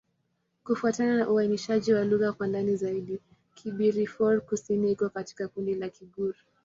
Kufuatana na uainishaji wa lugha kwa ndani zaidi, Kibirifor-Kusini iko katika kundi la Kigur.